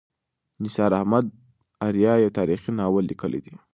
نثار احمد آریا یو تاریخي ناول لیکلی دی.